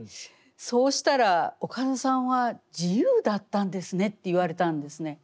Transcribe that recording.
そうしたら「岡田さんは自由だったんですね」って言われたんですね。